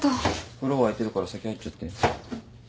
風呂沸いてるから先入っちゃって。